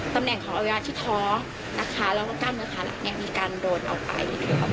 ตำแหน่งของอวัยวะที่ท้อนะคะแล้วก็กล้ามเนื้อขาหลักเนี่ยมีการโดนออกไป